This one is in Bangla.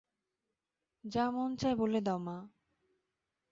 যা মন চায় বলে দাও, মা।